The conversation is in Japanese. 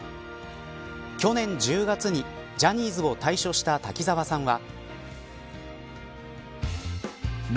去年１０月にジャニーズを退所した滝沢さんは。